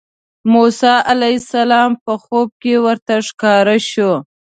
موسی علیه السلام په خوب کې ورته ښکاره شو.